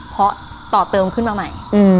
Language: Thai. เพราะต่อเติมขึ้นมาใหม่